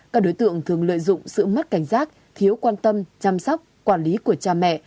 các đối tượng thường lợi dụng sự mất cảnh giác thiếu quan tâm chăm sóc quản lý của cha mẹ